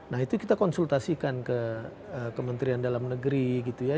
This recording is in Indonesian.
nah itu kita konsultasikan ke kementerian dalam negeri gitu ya